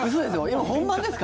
今、本番ですか？